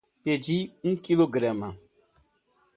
Perdi um quilograma.